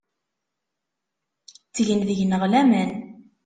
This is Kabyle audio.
Ttgent deg-neɣ laman.